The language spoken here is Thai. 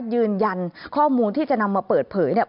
ยืนยันข้อมูลที่จะนำมาเปิดเผยเนี่ย